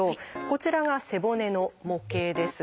こちらが背骨の模型です。